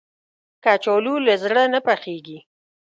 کچالو له زړه نه پخېږي